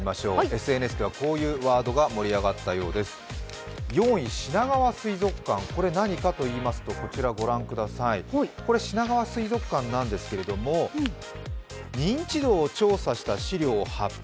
ＳＮＳではこういうワードが盛り上がったようです、４位、しながわ水族館、こちらご覧ください、これはしながわ水族館なんですが認知度を調査した資料を発表